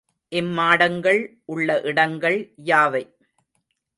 இம்மாடங்கள் உள்ள இடங்கள் யாவை?